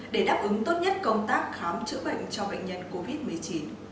để đáp ứng tốt nhất công tác khám chữa bệnh cho bệnh nhân covid một mươi chín